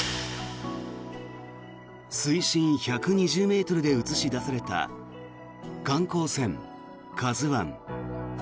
水深１２０ｍで写し出された観光船「ＫＡＺＵ１」。